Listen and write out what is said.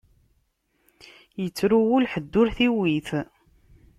Ittru wul, ḥedd ur t-iwwit.